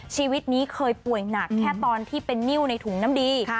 ชีวิตนี้เคยป่วยหนักแค่ตอนที่เป็นนิ้วในถุงน้ำดี